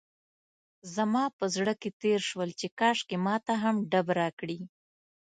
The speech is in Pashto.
زما په زړه کې تېر شول چې کاشکې ماته هم ډب راکړي.